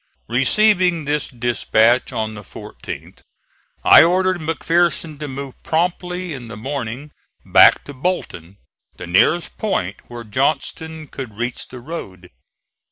Receiving this dispatch on the 14th I ordered McPherson to move promptly in the morning back to Bolton, the nearest point where Johnston could reach the road.